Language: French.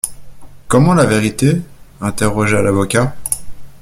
Comment, la vérité ? interrogea l'avocat.